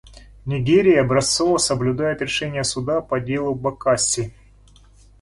Нигерия образцово соблюдает решение Суда по делу Бакасси.